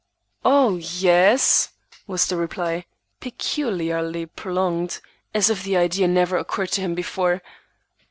"Oh, yes!" was the reply, peculiarly prolonged, as if the idea never occurred to him before.